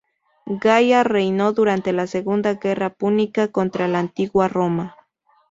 Gaia reinó durante la segunda guerra púnica contra la antigua Roma.